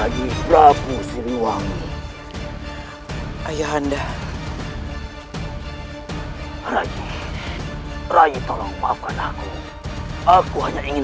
jangan sampai bahwa aku akan dipilih